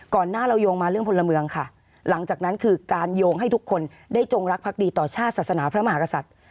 หน้าเราโยงมาเรื่องพลเมืองค่ะหลังจากนั้นคือการโยงให้ทุกคนได้จงรักพักดีต่อชาติศาสนาพระมหากษัตริย์